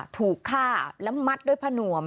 ถูกฆ่าและมัดด้วยผ้านวม